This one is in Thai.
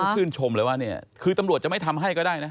ชื่นชมเลยว่าเนี่ยคือตำรวจจะไม่ทำให้ก็ได้นะ